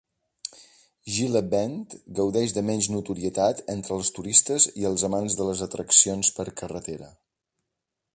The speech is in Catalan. Gila Bend gaudeix de menys notorietat entre els turistes i els amants de les atraccions per carretera.